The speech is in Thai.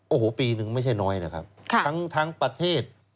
โอโหปีนึงไม่ใช่น้อยทั้งประเทศ